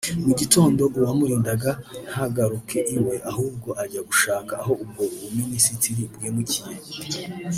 mu gitondo uwamurindaga ntagaruka iwe ahubwo ajya gushaka aho ubwo buminisitiri bwimukiye